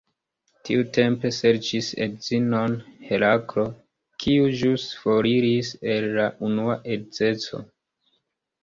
Tiutempe serĉis edzinon Heraklo, kiu ĵus foriris el la unua edzeco.